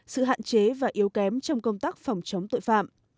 sự hạn chế và yếu kém trong công tác phòng chống tội phạm